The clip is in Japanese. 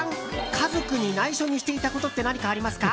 家族に内緒にしていたことって何かありますか？